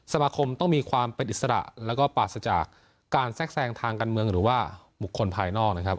สมาคมต้องมีความเป็นอิสระแล้วก็ปราศจากการแทรกแทรงทางการเมืองหรือว่าบุคคลภายนอกนะครับ